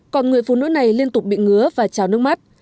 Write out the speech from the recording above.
còn người phụ nữ này liên tục bị ngứa và trào nước mắt